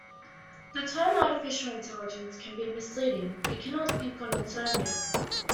The term Artificial Intelligence can be misleading, it cannot think on its own yet.